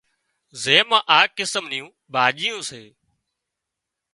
زي مان آ قسم نيون ڀاڄيون سي